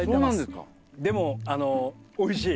でもあのおいしい。